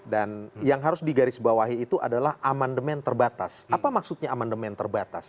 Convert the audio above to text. dan yang harus digarisbawahi itu adalah amandemen terbatas apa maksudnya amandemen terbatas